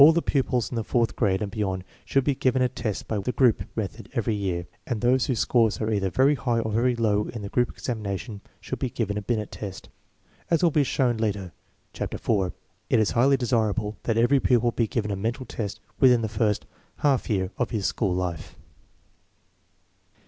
16 INTELLIGENCE OF SCHOOL CHILDREN pupils in the fourth grade and beyond should be given a test by the group method every year, and those whose scores are either very high or very low in the group examination should be given a Binet test. As will be shown later (chapter IV), it is highly desirable that every pupil be given a mental test within the first half year of his school life.